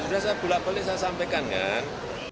sudah saya bulat bulat saya sampaikan kan